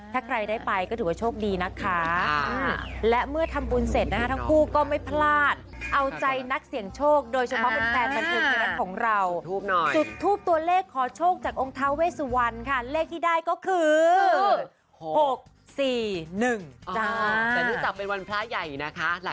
ถ้าใครได้ไปก็ถือว่าโชคดีนะคะ